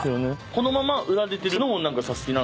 このまま売られるのもサスティな！